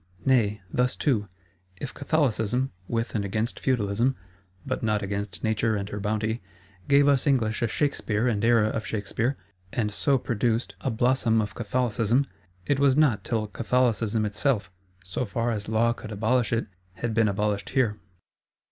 —Nay, thus too, if Catholicism, with and against Feudalism (but not against Nature and her bounty), gave us English a Shakspeare and Era of Shakspeare, and so produced a blossom of Catholicism—it was not till Catholicism itself, so far as Law could abolish it, had been abolished here.